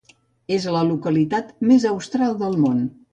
És la localitat més austral del món.